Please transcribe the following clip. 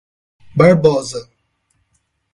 Barbosa